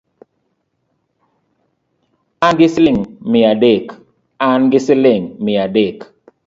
An gi siling mia adek